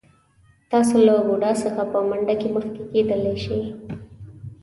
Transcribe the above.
تاسو له بوډا څخه په منډه کې مخکې کېدلی شئ.